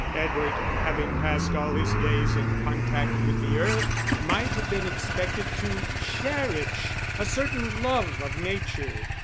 Edward, having passed all his days in contact with the earth, might have been expected to cherish a certain love of nature.